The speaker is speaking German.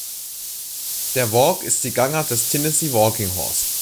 Der "Walk" ist die Gangart des Tennessee Walking Horse.